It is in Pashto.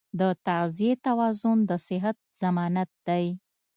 د تغذیې توازن د صحت ضمانت دی.